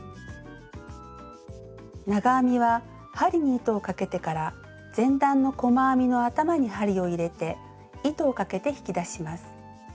長編みは針に糸をかけてから前段の細編みの頭に針を入れて糸をかけて引き出します。